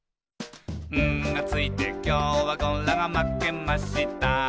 「『ん』がついてきょうはゴラがまけました」